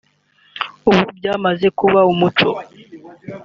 ubu byamaze kuba umuco